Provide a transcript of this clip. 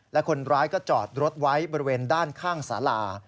และคนร้ายก็จอดรถไว้บริเวณด้านข้างสารา